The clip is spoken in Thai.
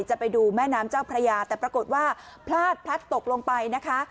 จะไปดูแม่น้ำเจ้าพระยาแต่ปรากฏว่าพลาดพลัดตกลงไปนะคะ